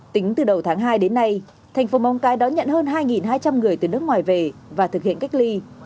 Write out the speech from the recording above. tính từ đầu tháng hai đến nay thành phố móng cái đón nhận hơn hai hai trăm linh người từ nước ngoài về và thực hiện cách ly